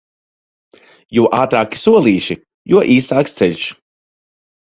Jo ātrāki solīši, jo īsāks ceļš.